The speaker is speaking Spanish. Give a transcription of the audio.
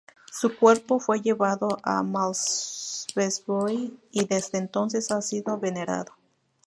Su cuerpo fue llevado a Malmesbury, y desde entonces ha sido venerado.